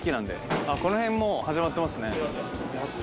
この辺もう始まってますね。